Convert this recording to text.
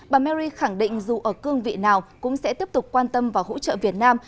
bà mary khẳng định dù ở cương vị nào cũng sẽ tiếp tục quan tâm và hỗ trợ việt nam